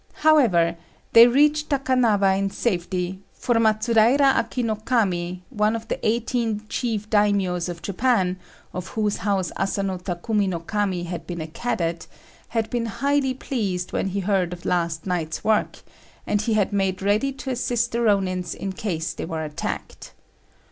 However, they reached Takanawa in safety, for Matsudaira Aki no Kami, one of the eighteen chief daimios of Japan, of whose house Asano Takumi no Kami had been a cadet, had been highly pleased when he heard of the last night's work, and he had made ready to assist the Rônins in case they were attacked.